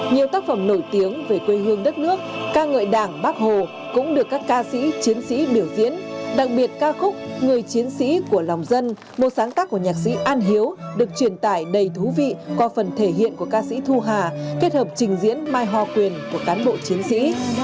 nhiều tác phẩm nổi tiếng về quê hương đất nước ca ngợi đảng bác hồ cũng được các ca sĩ chiến sĩ biểu diễn đặc biệt ca khúc người chiến sĩ của lòng dân một sáng tác của nhạc sĩ an hiếu được truyền tải đầy thú vị qua phần thể hiện của ca sĩ thu hà kết hợp trình diễn mai hoa quyền của cán bộ chiến sĩ